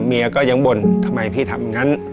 เมียก็ยังบ่นทำไมพี่ทำงั้น